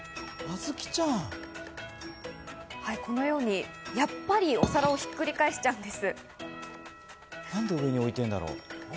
このようにやっぱりお皿をひっくり返しちゃうんです。